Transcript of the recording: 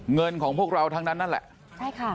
เงินของพวกเราทั้งนั้นแหละ